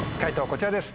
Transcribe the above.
こちらです。